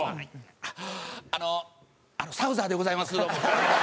「あのサウザーでございます」。